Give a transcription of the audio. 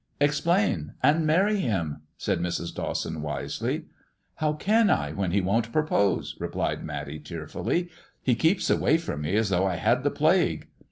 " Explain, and marry him," said Mrs. Dawson, wisely. How can I when he won't propose ]" replied Matty, tearfully. " He keeps away from me as though I had the plague."